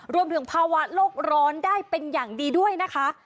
รวมถึงภาวะโลกร้อนได้เป็นอย่างดีด้วยนะคะ